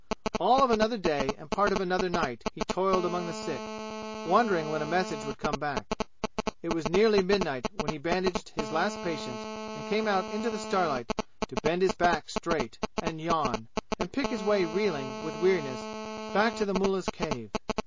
All of another day and part of another night he toiled among the sick, wondering when a message would come back. It was nearly midnight when he bandaged his last patient and came out into the starlight to bend his back straight and yawn and pick his way reeling with weariness back to the mullah's cave.